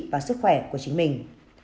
và sức khỏe của chính mình